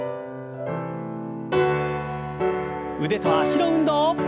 腕と脚の運動。